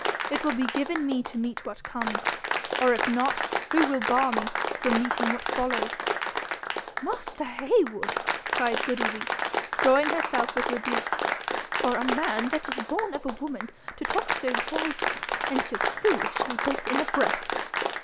It will be given me to meet what comes; or if not, who will bar me from meeting what follows ?' 'Master Heywood,' cried goody Rees, drawing herself with rebuke, 'for a man that is born of a woman to talk so wisely and so foolishly both in a breath!